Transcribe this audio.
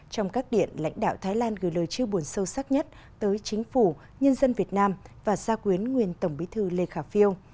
trong các điện lãnh đạo thái lan gửi lời chiêu buồn sâu sắc nhất tới chính phủ nhân dân việt nam và gia quyến nguyên tổng bí thư lê khả phiêu